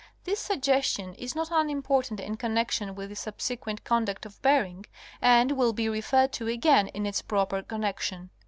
. This suggestion is not unimportant in connection with the subsequent conduct of Bering and will be referred to again in its proper connection.